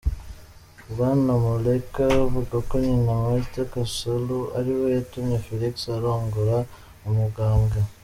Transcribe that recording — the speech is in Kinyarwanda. Bwana Moleka avuga ko nyina, Marthe Kasalu, ariwe yatumye Felix arongora umugambwe.